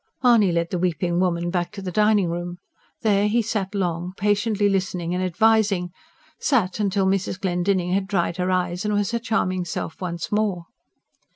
Mahony led the weeping woman back to the dining room. There he sat long, patiently listening and advising; sat, till Mrs. Glendinning had dried her eyes and was her charming self once more.